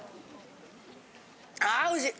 あおいしい！